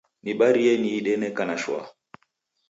Nibarie niide neka na shwaa